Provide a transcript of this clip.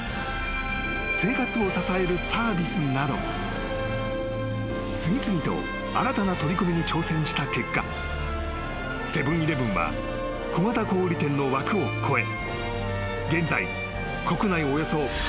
［生活を支えるサービスなど次々と新たな取り組みに挑戦した結果セブン―イレブンは小型小売店の枠を超え現在］